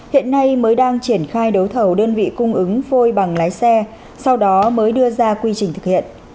hiện nay mới đang triển khai đấu thầu đơn vị cung ứng phôi bằng lái xe sau đó mới đưa ra quy trình thực hiện